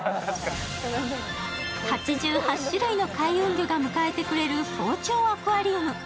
８８種類の開運魚が迎えてくれるフォーチューンアクアリウム。